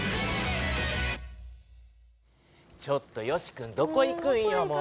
ちょっとよしくんどこ行くんよ